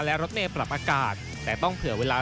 และรถเมย์ปรับอากาศแต่ต้องเผื่อเวลา